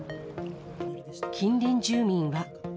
近隣住民は。